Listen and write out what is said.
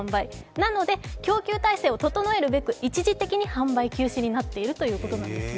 なので、供給体制を整えるべく一時的に販売を休止するということなんですね。